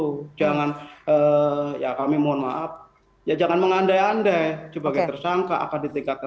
itu jangan ya kami mohon maaf ya jangan mengandai andai sebagai tersangka akan ditingkatkan